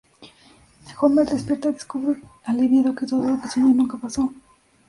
Homer despierta y descubre aliviado que todo lo que soñó nunca pasó.